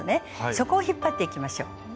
そこを引っ張っていきましょう。